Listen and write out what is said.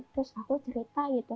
terus aku cerita gitu